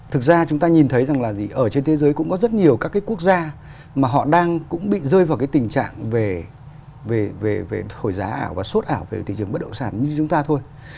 thực ra chúng ta nhìn thấy rằng là ở trên thế giới cũng có rất nhiều các cái quốc gia mà họ đang cũng bị rơi vào cái tình trạng về thổi giá ảo và suốt ảo về thị trường bất động sản như chúng ta thôi